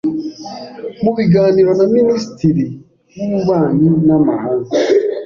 Mu biganiro na Minisitiri w’Ububanyi n’Amahanga